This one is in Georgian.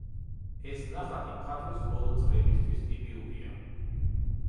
ეს ნახატი მხატვრის ბოლო წლებისთვის ტიპიურია.